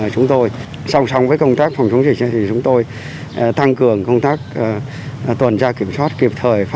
trường hợp f một sáu mươi bảy trường hợp f hai